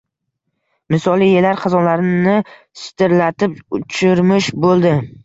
Misoli, yellar xazonlarni shitirlatib uchirmish bo‘ldi.